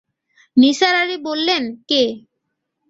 নিসার আলি বললেন, কে?